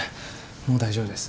もう大丈夫です。